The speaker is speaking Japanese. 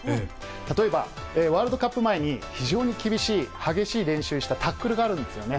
例えばワールドカップ前に、非常に厳しい、激しい練習をしたタックルがあるんですよね。